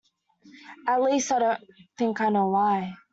At least I don't think I know why.